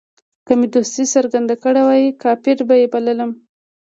که مې دوستي څرګنده کړې وای کافر به یې بللم.